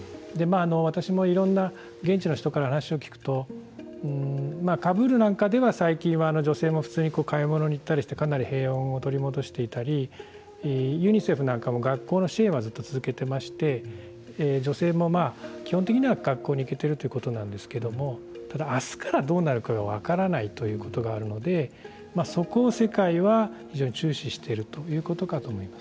私もいろんな現地の人から話を聞くとカブールなんかでは最近は女性も普通に買い物に行ったりしてかなり平穏を取り戻していたりユニセフなんかも学校支援はずっと続けていまして女性も、まあ基本的には学校に行けているということなんですけれどもただ、あすからどうなるかが分からないということがあるのでそこを世界は非常に注視しているということかと思います。